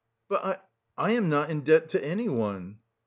"But I... am not in debt to anyone!"